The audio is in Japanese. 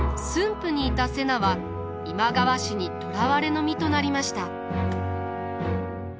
府にいた瀬名は今川氏に捕らわれの身となりました。